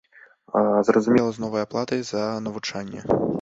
Зразумела, з новай аплатай за навучанне.